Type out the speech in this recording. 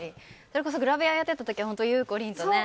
それこそグラビアをやっていた時は本当にゆうこりんとね。